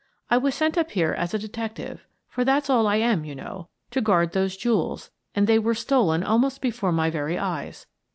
I was sent up here as a detective — for that's all I am, you know — to guard those jewels, and they were stolen almost before my very eyes.